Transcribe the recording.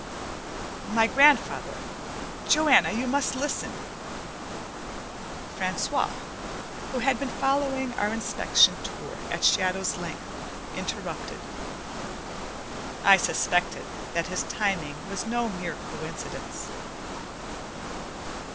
"My grandfather. Joanna, you must listen " Francois, who had been following our inspection tour at shadow's length, interrupted. I suspected that his timing was no mere coincidence.